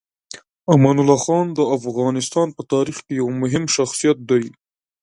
امان الله خان د افغانستان په تاریخ کې یو مهم شخصیت دی.